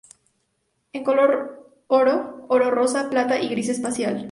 En color oro, oro rosa, plata y gris espacial.